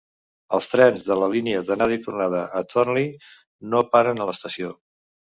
Els trens de la línia d'anada i tornada a Thornlie no paren a l'estació.